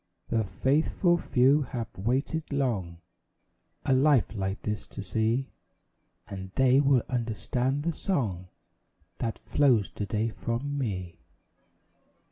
The faithful few have waited long A life like this to see; And they will understand the song That flows to day from me.